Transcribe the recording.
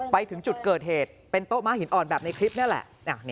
ไปถึงจุดเกิดเหตุเป็นโต๊ะม้าหินอ่อนแบบในคลิปนี่แหละ